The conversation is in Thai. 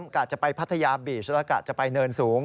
กะจะไปพัทยาบีชแล้วกะจะไปเนินสูง